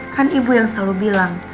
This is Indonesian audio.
kan ibu yang selalu bilang